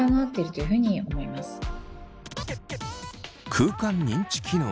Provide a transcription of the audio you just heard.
空間認知機能。